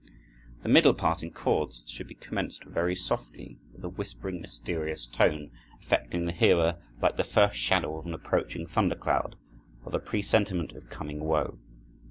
The middle part in chords should be commenced very softly with a whispering, mysterious tone, affecting the hearer like the first shadow of an approaching thunder cloud, or the presentiment of coming woe.